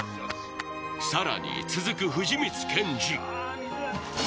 さらに続く藤光謙司